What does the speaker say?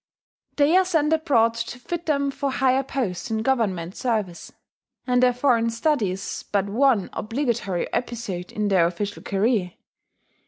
They are sent abroad to fit them for higher posts in Government service; and their foreign study is but one obligatory episode in their official career.